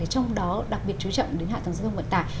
trong đó đặc biệt chú trọng đến hạ tầng giao thông vận tải